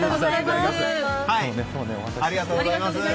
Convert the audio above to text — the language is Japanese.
ありがとうございます。